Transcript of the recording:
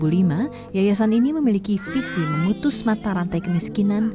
berdiri sejak dua ribu lima yayasan ini memiliki visi mengutus mata rantai kemiskinan